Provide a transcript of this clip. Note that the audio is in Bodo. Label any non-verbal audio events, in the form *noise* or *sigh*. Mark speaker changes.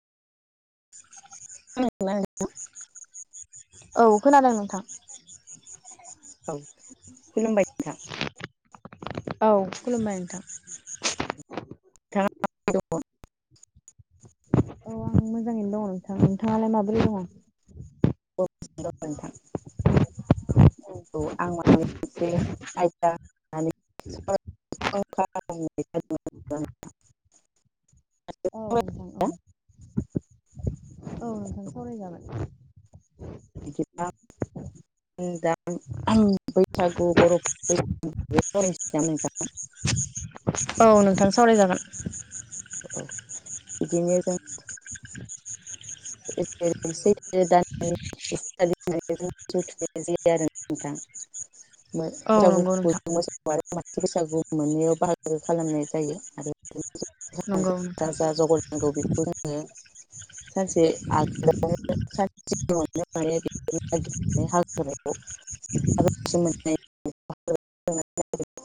Speaker 1: *unintelligible*
Speaker 2: औ खोनादों नोंथां।
Speaker 1: औ खुलुमबाय नोंथां।
Speaker 2: औ खुलुमबाय नोंथां।
Speaker 1: *unintelligible*
Speaker 2: औ आं मोजाङैनो दङ' नोंथां। नोंथाङालाय माबोरै दङ'?
Speaker 1: आंबो नोंथां। औ आं माबा मोनसे
Speaker 2: औ नोंथां औ
Speaker 1: *unintelligible*
Speaker 2: ओं सावराय जागोन।
Speaker 1: बिदिबा दा बैसागु बर' *unintelligible* सावरायसै दा नोंथां।
Speaker 2: औ नोंथां सावरायजागोन।
Speaker 1: औ बिदिनो जों *unintelligible* सैथो दाननि *unintelligible* जायो आरो नोंथां। *unintelligible* *unintelligible*
Speaker 2: औ नंगौ नोंथां
Speaker 1: बैसागु मोन्नैआव बाहागो खालामनाय जायो आरो
Speaker 2: नंगौ नोंथां।
Speaker 1: नंगौ बेखौ जोङो सानसे आग *unintelligible*